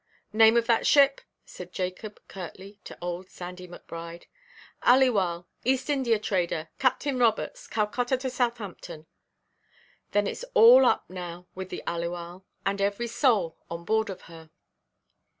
"Name of that ship?" said Jacob, curtly, to old Sandy Macbride. "Aliwal, East India trader, Captain Roberts. Calcutta to Southampton." "Then itʼs all up now with the Aliwal, and every soul on board of her."